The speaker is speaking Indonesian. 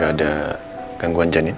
gak ada gangguan janin